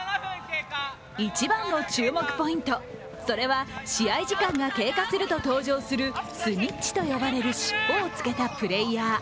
一番の注目ポイント、それは試合時間が経過すると登場するスニッチと呼ばれる尻尾をつけたプレーヤー。